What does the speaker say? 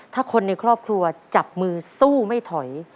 ถ้าคนในครอบครัวจับมือสู้ไม่ถอย